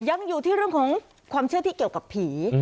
ยังอยู่ที่เรื่องของความเชื่อที่เกี่ยวกับผี